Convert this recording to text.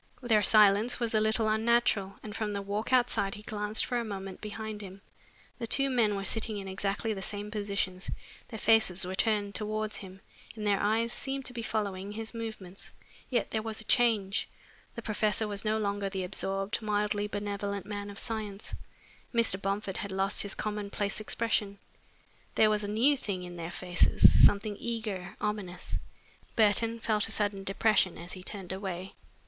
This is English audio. Their silence was a little unnatural and from the walk outside he glanced for a moment behind him. The two men were sitting in exactly the same positions, their faces were turned towards him, and their eyes seemed to be following his movements. Yet there was a change. The professor was no longer the absorbed, mildly benevolent man of science. Mr. Bomford had lost his commonplace expression. There was a new thing in their faces, something eager, ominous. Burton felt a sudden depression as he turned away.